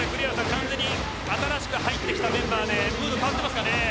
完全に新しく入ってきたメンバーで変わっていますかね。